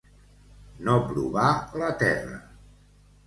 No provar la terra.